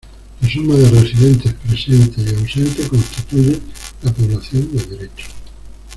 La suma de residentes presentes y ausentes constituye la población de derecho.